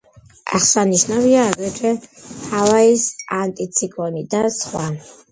აღსანიშნავია აგრეთვე ჰავაის ანტიციკლონი და სხვა.